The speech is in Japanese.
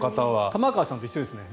玉川さんと一緒ですね